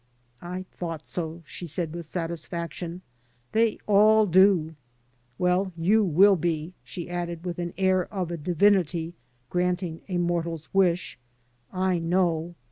"I thought so," she said, with satisfaction. "They all do. Well, you will be," she added, with the air of a divinity granting a mortal's wish, "I know.